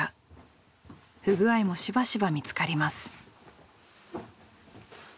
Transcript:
不具合もしばしば見つかります。